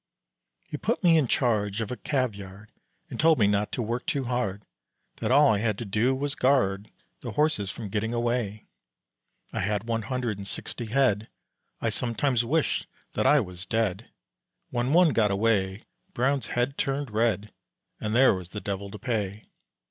He put me in charge of a cavyard, And told me not to work too hard, That all I had to do was guard The horses from getting away; I had one hundred and sixty head, I sometimes wished that I was dead; When one got away, Brown's head turned red, And there was the devil to pay.